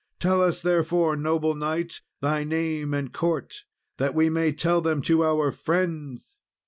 Tell us, therefore, noble knight, thy name and court, that we may tell them to our friends!"